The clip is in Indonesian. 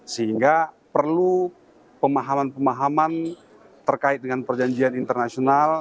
sehingga perlu pemahaman pemahaman terkait dengan perjanjian internasional